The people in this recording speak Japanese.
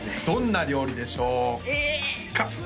どんな料理でしょうか？